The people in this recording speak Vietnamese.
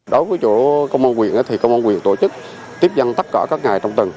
đối với chỗ công an huyện thì công an huyện tổ chức tiếp dân tất cả các ngày trong tuần